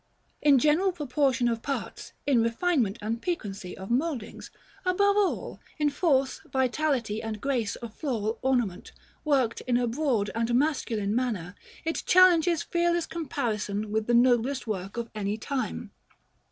In general proportion of parts, in refinement and piquancy of mouldings, above all, in force, vitality, and grace of floral ornament, worked in a broad and masculine manner, it challenges fearless comparison with the noblest work of any time.